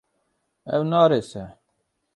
Ew naarêse.